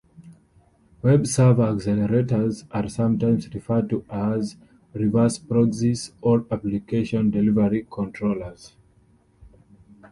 Web server accelerators are sometimes referred to as reverse proxies or Application Delivery Controllers.